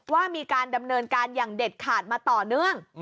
ว่ามีการดำเนินการอย่างเด็ดขาดมาต่อเนื่อง